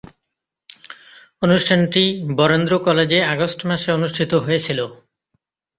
অনুষ্ঠানটি বরেন্দ্র কলেজে আগস্ট মাসে অনুষ্ঠিত হয়েছিলো।